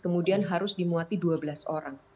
kemudian harus dimuati dua belas orang